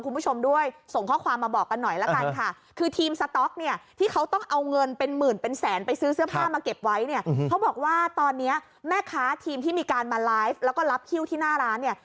คุณผู้ชมด้วยส่งข้อความมาบอกกันหน่อยละกันค่ะคือทีมสต๊อกเนี่ยที่เขาต้องเอาเงินเป็นหมื่นเป็นแสนไปซื้อเสื้อผ้ามาเก็บไว้เนี่ยเขาบอกว่าตอนเนี้ยแม่ค้าทีมที่มีการมาไลฟ์แล้วก็รับฮิ้วที่หน้าร้านเนี่ย